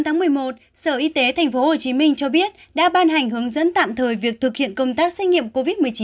ngày một mươi một sở y tế tp hcm cho biết đã ban hành hướng dẫn tạm thời việc thực hiện công tác xét nghiệm covid một mươi chín